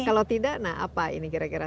kalau tidak nah apa ini kira kira